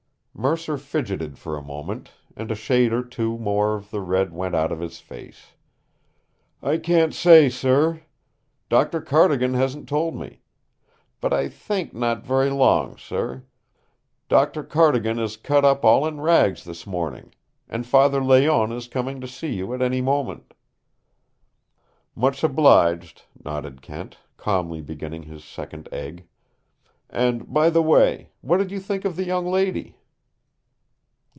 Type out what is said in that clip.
Mercer fidgeted for a moment, and a shade or two more of the red went out of his face. "I can't say, sir. Doctor Cardigan hasn't told me. But I think not very long, sir. Doctor Cardigan is cut up all in rags this morning. And Father Layonne is coming to see you at any moment." "Much obliged," nodded Kent, calmly beginning his second egg. "And, by the way, what did you think of the young lady?"